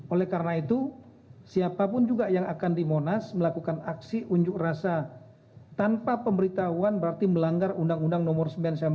oleh karena itu siapapun juga yang akan di monas melakukan aksi unjuk rasa tanpa pemberitahuan berarti melanggar undang undang nomor sembilan puluh sembilan